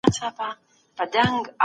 د واک او قدرت لټون په سیاست کې حتمي دی.